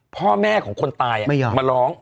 พ่อแม่ของคนตายมาร้อง